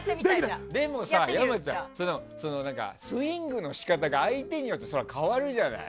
でもさ、山ちゃんスイングの仕方は相手によってそれは変わるじゃない。